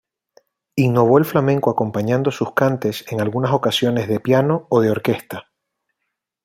Innovó el flamenco acompañando sus cantes en algunas ocasiones de piano o de orquesta.